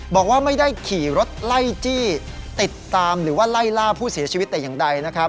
บอกว่าไม่ได้ขี่รถไล่จี้ติดตามหรือว่าไล่ล่าผู้เสียชีวิตเองใด